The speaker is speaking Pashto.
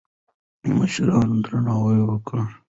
د مشرانو درناوی وکړئ.